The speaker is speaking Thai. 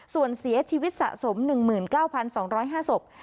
ส่วนเสียชีวิตสะสม๑๙๒๐๕ศพ